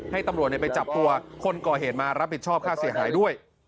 ให้ตำรวจไปจับตัวคนก่อเหตุมารับผิดชอบค่าเสียหายด้วย